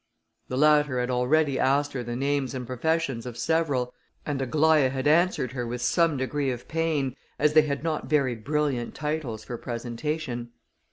The latter had already asked her the names and professions of several; and Aglaïa had answered her with some degree of pain, as they had not very brilliant titles for presentation.